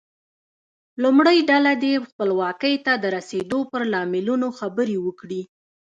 لومړۍ ډله دې خپلواکۍ ته د رسیدو پر لاملونو خبرې وکړي.